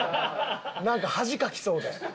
なんか恥かきそうで。